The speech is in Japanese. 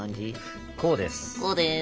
こうです。